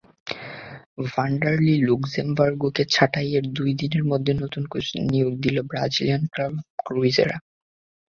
Vanderlei লুক্সেমবার্গোকে ছাঁটাইয়ের দুই দিনের মধ্যেই নতুন কোচ নিয়োগ দিল ব্রাজিলিয়ান ক্লাব ক্রুজেইরো।